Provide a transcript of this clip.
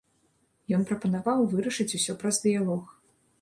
Ён прапанаваў вырашыць усё праз дыялог.